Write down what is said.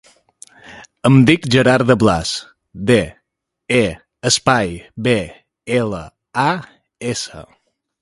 Em dic Gerard De Blas: de, e, espai, be, ela, a, essa.